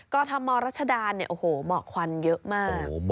ธมรัชดาเนี่ยโอ้โหเหมาะควันเยอะมาก